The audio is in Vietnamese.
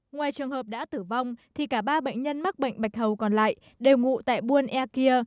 ngoài trường hợp đã tử vong thì cả ba bệnh nhân mắc bệnh bạch hầu còn lại đều ngụ tại buôn e kia